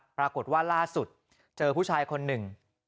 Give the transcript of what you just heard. ปรากฏว่าล่าสุดเจอผู้ชายคนหนึ่ง